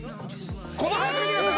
この速さ見てください